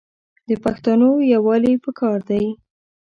د پښتانو یوالي پکار دی.